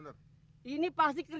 jangan pergi sama aku